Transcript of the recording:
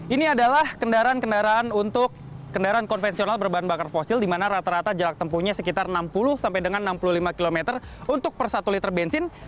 ini adalah kendaraan kendaraan untuk kendaraan konvensional berbahan bakar fosil di mana rata rata jarak tempuhnya sekitar enam puluh sampai dengan enam puluh lima km untuk per satu liter bensin